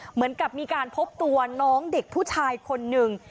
เหมือนกับมีการพบตัวน้องเด็กผู้ชายคนหนึ่ง